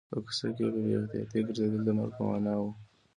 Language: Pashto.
په کوڅه کې په بې احتیاطۍ ګرځېدل د مرګ په معنا و